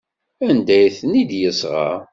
Anda ay ten-id-yesɣa?